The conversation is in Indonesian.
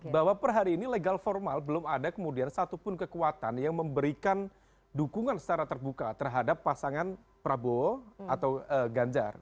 bahwa per hari ini legal formal belum ada kemudian satupun kekuatan yang memberikan dukungan secara terbuka terhadap pasangan prabowo atau ganjar